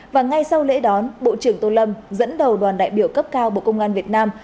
và ngay sau lễ đón bộ trưởng tô lâm dẫn đầu đoàn đại biểu cấp cao bộ công an việt nam